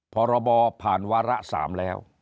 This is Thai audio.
พรบผ่านวาระ๓แล้ว